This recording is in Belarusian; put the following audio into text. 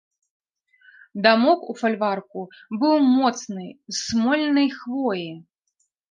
Дамок у фальварку быў моцны, з смольнай хвоі.